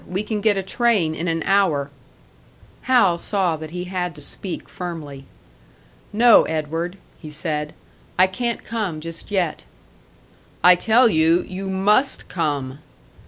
We can get a train in an hour " Hal saw that he had to speak firmly. "No, Edward," he said. "I can't come just yet." "I tell you you must come!"